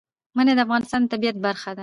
منی د افغانستان د طبیعت برخه ده.